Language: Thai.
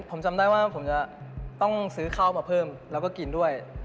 ผมจำได้ว่าผมจะต้องซื้อข้าวมาเพิ่มแล้วก็กินด้วย